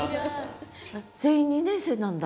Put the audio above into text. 全員２年生なんだ。